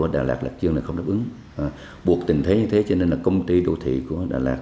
đà lạt lạc chương là không đáp ứng buộc tình thế như thế cho nên là công ty đô thị của đà lạt